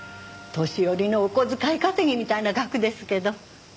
年寄りのお小遣い稼ぎみたいな額ですけど。